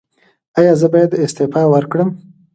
ایا زه باید استعفا ورکړم؟